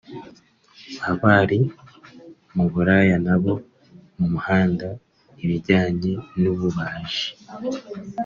abari mu buraya n’abo mu muhanda ibijyanye n’ububaji